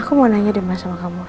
aku mau nanya deh mas sama kamu